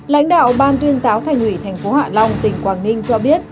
lãnh đạo ban tuyên giáo thành hủy tp hạ long tỉnh quảng ninh cho biết